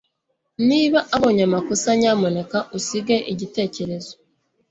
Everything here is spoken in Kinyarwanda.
Niba ubonye amakosa nyamuneka usige igitekerezo